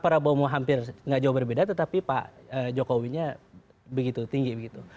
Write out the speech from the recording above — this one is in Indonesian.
pak prabowo hampir nggak jauh berbeda tetapi pak jokowinya begitu tinggi begitu